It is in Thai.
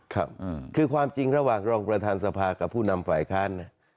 ครับคือความจริงระหว่างรองประธานสภากับผู้นำฝ่ายค้านเนี่ย